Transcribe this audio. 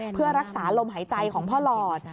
เพื่อรักษาลมหายใจของพ่อหลอด